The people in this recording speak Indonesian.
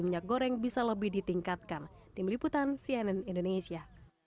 minyak goreng bisa lebih ditingkatkan tim liputan cnn indonesia